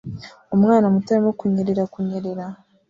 Umwana muto arimo kunyerera kunyerera